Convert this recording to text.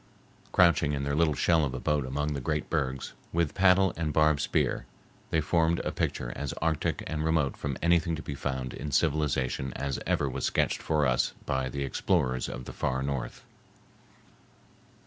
Crouching in their little shell of a boat among the great bergs, with paddle and barbed spear, they formed a picture as arctic and remote from anything to be found in civilization as ever was sketched for us by the explorers of the Far North.